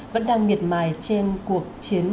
vẫn đang nghiệt mài trên cuộc chiến